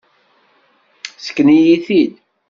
Sken-iyi-t-id.